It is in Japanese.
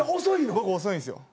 僕遅いんですよ。